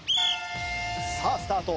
さあスタート。